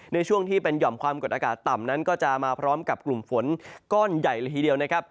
ในช่วงที่เป็นหย่อมความกดอากาศต่ำนั้นก็จะมาพร้อมกับกลุ่มฝนก้อนใหญ่เลยทีเดียวนะครับ